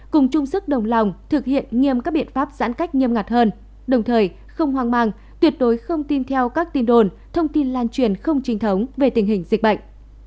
cùng chung sức đồng lòng thực hiện nghiêm các biện pháp giãn cách nghiêm ngặt hơn đồng thời không hoang mang tuyệt đối không tin theo các tin đồn thông tin lan truyền không trinh thống về tình hình dịch bệnh